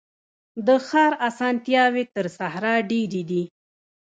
د ښار اسانتیاوي تر صحرا ډیري دي.